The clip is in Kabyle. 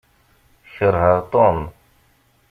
Keṛheɣ Tom.